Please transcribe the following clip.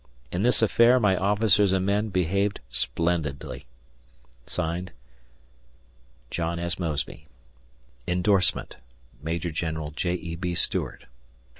In this affair my officers and men behaved splendidly. (Signed) Jno. S. Mosby. (Indorsement) Maj. Gen. J. E. B. Stuart.